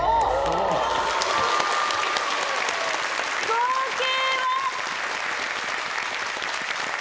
合計は？